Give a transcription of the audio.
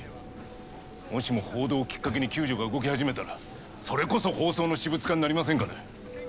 もしも報道をきっかけに救助が動き始めたらそれこそ放送の私物化になりませんかね？